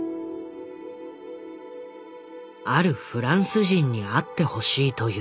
あるフランス人に会ってほしいという。